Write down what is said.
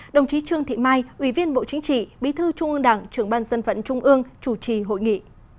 đồng chí trương thị mai ủy viên bộ chính trị bí thư trung ương đảng trưởng ban dân vận trung ương chủ trì hội nghị